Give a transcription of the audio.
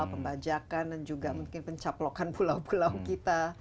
pembajakan dan juga mungkin pencaplokan pulau pulau kita